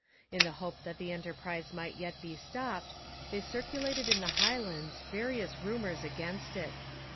In the hope that the enterprise might yet be stopped, they circulated in the Highlands various rumours against it.